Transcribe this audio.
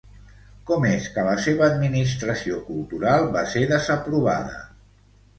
Com és que la seva administració cultural va ser desaprovada?